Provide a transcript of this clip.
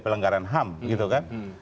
pelenggaran ham gitu kan